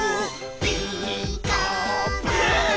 「ピーカーブ！」